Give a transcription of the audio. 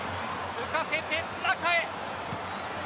浮かせて中へ。